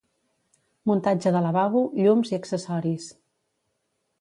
Muntatge de lavabo, llums i accessoris